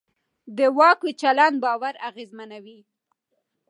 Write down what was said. د واک چلند باور اغېزمنوي